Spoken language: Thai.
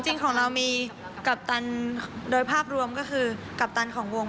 จริงของเรามีกัปตันโดยภาพรวมก็คือกัปตันของวง